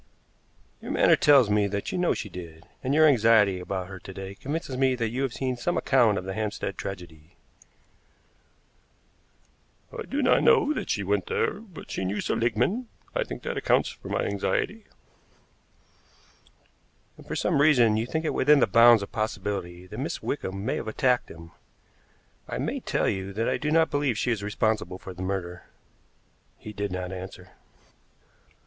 "Your manner tells me that you know she did, and your anxiety about her to day convinces me that you have seen some account of the Hampstead tragedy." "I do not know that she went there, but she knew Seligmann. I think that accounts for my anxiety." "And for some reason you think it within the bounds of possibility that Miss Wickham may have attacked him. I may tell you that I do not believe she is responsible for the murder." He did not answer.